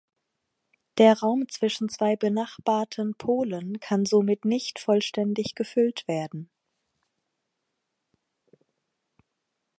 Der Raum zwischen zwei benachbarten Polen kann somit nicht vollständig gefüllt werden.